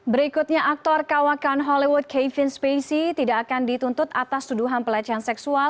berikutnya aktor kawakan hollywood kevin spacey tidak akan dituntut atas tuduhan pelecehan seksual